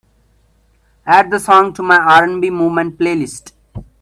Add the song to my R&B Movement playlist.